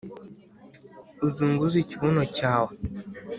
uzunguze ikibuno cyawe